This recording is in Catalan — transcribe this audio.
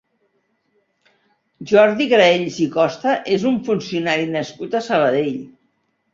Jordi Graells i Costa és un funcionari nascut a Sabadell.